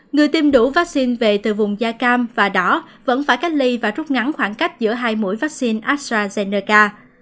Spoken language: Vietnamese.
người tiêm đủ vaccine về từ vùng da cam và đỏ vẫn phải cách ly và rút ngắn khoảng cách giữa hai mũi vaccine astrazeneca